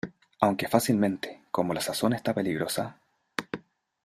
aunque fácilmente, como la sazón está peligrosa...